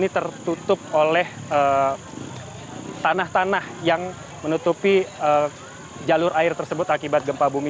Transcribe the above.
tetapi juga mereka di sini menutupi tanah tanah yang menutupi jalur air tersebut akibat gempa bumi